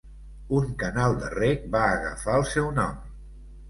Un canal de reg va agafar el seu nom.